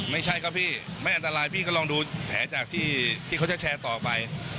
ไม่ใช่ครับพี่ไม่อันตรายพี่ก็ลองดูแผลจากที่เขาจะแชร์ต่อไป